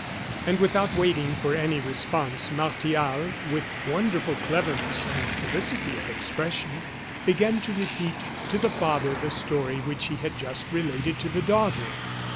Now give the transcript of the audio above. And without waiting for any response, Martial, with wonderful cleverness and felicity of expression, began to repeat to the father the story which he had just related to the daughter.